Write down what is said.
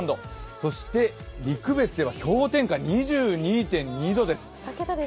そして陸別では氷点下２２度です。